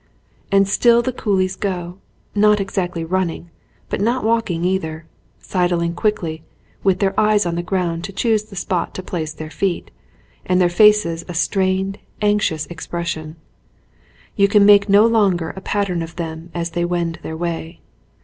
And still the coolies go, not exactly running, but not walking either, sidling quickly, with their eyes on the ground to choose the spot to place their feet, and on their faces a strained, anxious expres sion. You can make no longer a pattern of them as they wend their way.